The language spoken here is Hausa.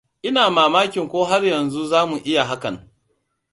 Ina mamakin ko har yanzu zamu iya hakan.